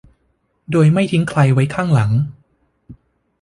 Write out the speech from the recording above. โดยไม่ทิ้งใครไว้ข้างหลัง